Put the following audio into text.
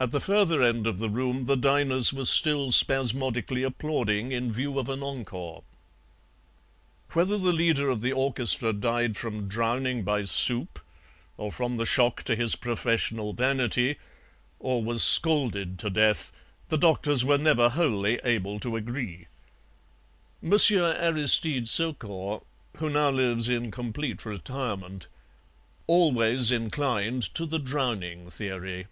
At the further end of the room the diners were still spasmodically applauding in view of an encore. "Whether the leader of the orchestra died from drowning by soup, or from the shock to his professional vanity, or was scalded to death, the doctors were never wholly able to agree. Monsieur Aristide Saucourt, who now lives in complete retirement, always inclined to the drowning theory."